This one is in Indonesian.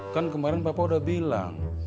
kan kemarin bapak udah bilang